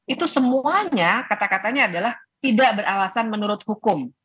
itu semuanya kata katanya adalah tidak beralasan menurut hukum